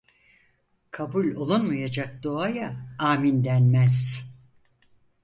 Kabul olunmayacak duaya amin denmez.